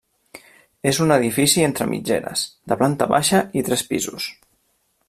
És un edifici entre mitgeres, de planta baixa i tres pisos.